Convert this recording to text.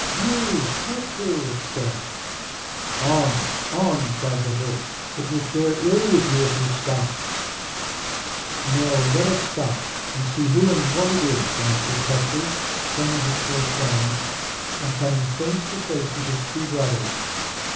'You, Petru!' it said. 'On! on!' cried the horse; 'it will fare ill with you if you stop.' 'No, let us stop, and see who and what it is!' answered Petru, turning his horse round, and coming face to face with his two brothers.